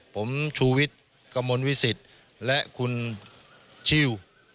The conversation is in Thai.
ผมชูวิทธ์กัมมนต์วิสิทธิ์และคุณชิว